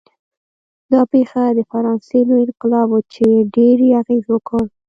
دا پېښه د فرانسې لوی انقلاب و چې ډېر یې اغېز وکړ.